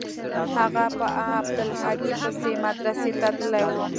هغه په عبدالهادي پسې مدرسې ته تللى و.